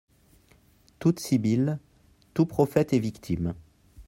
Toute sibylle, tout prophète est victime.